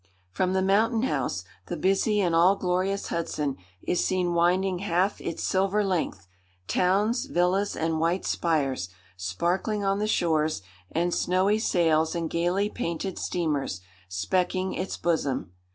From the Mountain House, the busy and all glorious Hudson is seen winding half its silver length—towns, villas, and white spires, sparkling on the shores, and snowy sails and gaily painted steamers, specking its bosom.